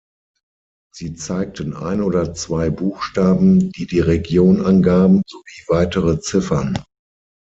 Sie zeigten ein oder zwei Buchstaben, die die Region angaben sowie weitere Ziffern.